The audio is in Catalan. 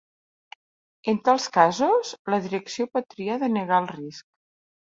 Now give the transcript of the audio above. En tals casos, la direcció pot triar denegar el risc.